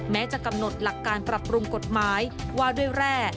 แม้จะกำหนดหลักการปรับปรุงกฎหมายว่าด้วยแร่